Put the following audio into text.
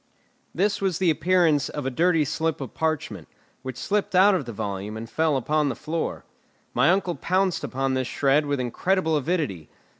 This was the appearance of a dirty slip of parchment, which slipped out of the volume and fell upon the floor. My uncle pounced upon this shred with incredible avidity.